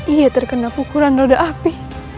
ia terkena pukulan roda api